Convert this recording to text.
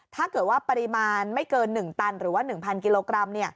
ถ้าเกิดว่าปริมาณไม่เกิน๑ตันหรือว่า๑๐๐๐กิโลกรัม